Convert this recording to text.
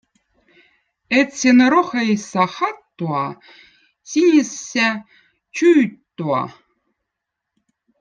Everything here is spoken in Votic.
Etsin rohoissa hattua, sinissä čiuttoa.